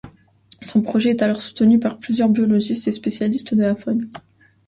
Son projet est alors soutenu par plusieurs biologistes et spécialistes de la faune.